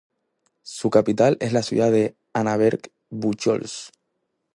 Su capital es la ciudad de Annaberg-Buchholz.